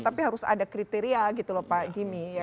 tapi harus ada kriteria gitu loh pak jimmy